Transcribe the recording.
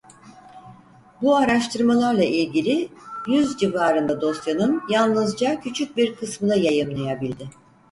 Bu araştırmalarla ilgili yüz civarında dosyanın yalnızca küçük bir kısmını yayımlayabildi.